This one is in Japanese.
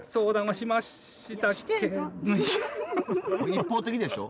一方的でしょ。